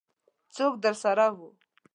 څوک درسره وو؟